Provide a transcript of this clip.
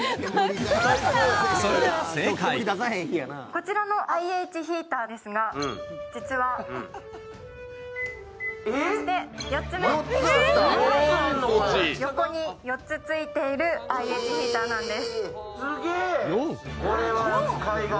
こちらのＩＨヒーターですが実はこうして横に４つついているＩＨヒーターなんです。